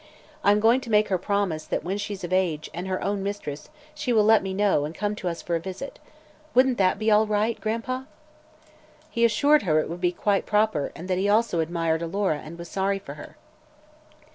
I'm going to make her promise that when she's of age and her own mistress she will let me know, and come to us for a visit. Wouldn't that be all right, Gran'pa?" He assured her it would be quite proper and that he also admired Alora and was sorry for her.